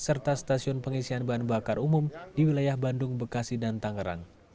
serta stasiun pengisian bahan bakar umum di wilayah bandung bekasi dan tangerang